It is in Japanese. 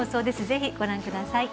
ぜひご覧ください。